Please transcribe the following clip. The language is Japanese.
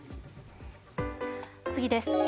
次です。